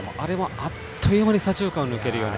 あっという間に左中間を抜けるような。